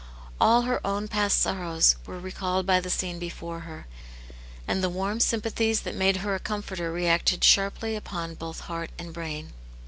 All her own past sorrows were recalled by the scene before her, and the warm sympathies that made her a comforter reacted sharply upon both heart and brain.